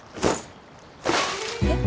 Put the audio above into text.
えっ？